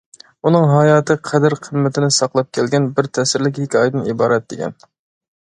ئۇنىڭ ھاياتى قەدىر- قىممىتىنى ساقلاپ كەلگەن بىر تەسىرلىك ھېكايىدىن ئىبارەت، دېگەن.